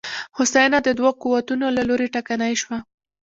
هوساینه د دوو قوتونو له لوري ټکنۍ شوه.